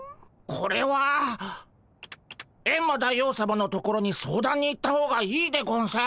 これはエンマ大王さまのところに相談に行った方がいいでゴンス。